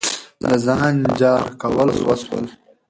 د ځان جار کول وسول.